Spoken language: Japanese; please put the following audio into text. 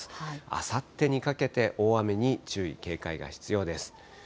あさってにかけて大雨に注意、警戒が必要です。